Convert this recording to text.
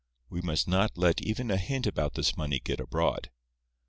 We must not let even a hint about this money get abroad.